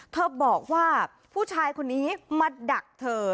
เธอบอกว่าผู้ชายคนนี้มาดักเธอ